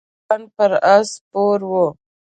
خسرو خان پر آس سپور و.